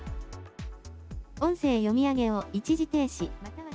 音声読み上げを一時停止。